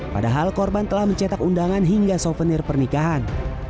padahal korban telah mencetak undangan hingga souvenir pernikahan